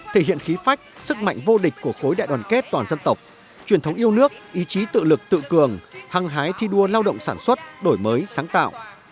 thể hiện khí phách sức mạnh vô địch của khối đại đoàn kết toàn dân tộc truyền thống yêu nước ý chí tự lực tự cường hăng hái thi đua lao động sản xuất đổi mới sáng tạo